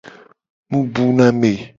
Mu bu na me.